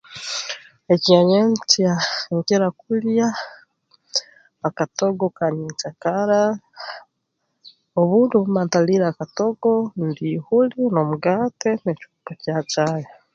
Ekyanyenkya nkira kulya akatogo ka nyenkyakara obundi obu mba ntaliire akatogo ndya ihuli n'omugaate n'ekikopo kya caayi